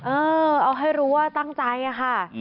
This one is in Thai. เออเอาให้รู้ว่าตั้งใจอะค่ะ